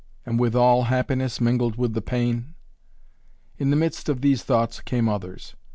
And withal happiness mingled with the pain. In the midst of these thoughts came others.